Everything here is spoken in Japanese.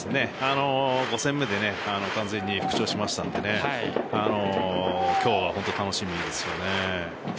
５戦目で完全に復調しましたので今日は本当に楽しみですよね。